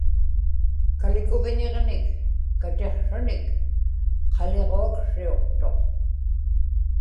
kalikuviñiġnik katiqsranik qaliġuaksriuqtuq